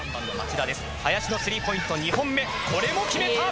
林の３ポイント２本目これも決めた！